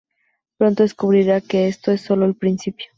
Pronto descubrirá que esto es solo el principio.